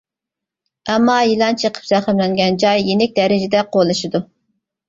ئەمما يىلان چېقىپ زەخىملەنگەن جاي يېنىك دەرىجىدە قولىشىدۇ.